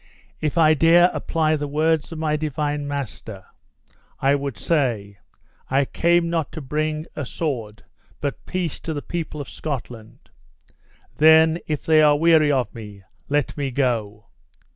If I dare apply the words of my Divine Master, I would say, I came not to bring a sword but peace to the people of Scotland! Then, if they are weary of me, let me go.